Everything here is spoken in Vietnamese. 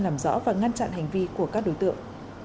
làm rõ và ngăn chặn hành vi của các đối tượng